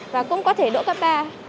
và cũng có thể đỗ cấp ba